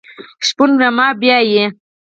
شپون رمه پیایي .